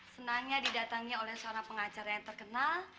senangnya didatangi oleh seorang pengacara yang terkenal